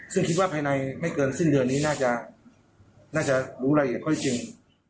ซึ่งคิดว่าภายในไม่เกินสิ้นเดือนนี้น่าจะน่าจะรู้รายละเอียดข้อจริง